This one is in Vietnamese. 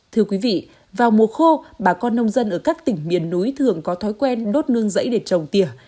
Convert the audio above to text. thưa quý vị vào mùa khô bà con nông dân ở các tỉnh miền núi thường có thói quen đốt nương rẫy để trồng tiể